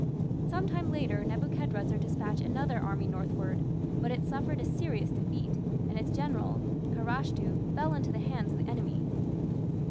Some time later Nebuchadrezzar dispatched another army northward, but it suffered a serious defeat, and its general, Karashtu, fell into the hands of the enemy.